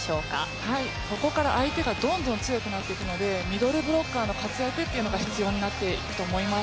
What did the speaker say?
ここから相手がどんどん強くなっていくのでミドルブロッカーの活躍が必要になっていくと思います。